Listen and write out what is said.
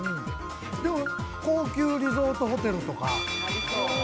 高級リゾートホテルとか？